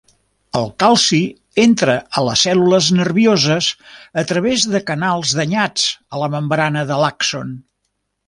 El calci entra a les cèl·lules nervioses a través de canals danyats a la membrana de l'àxon.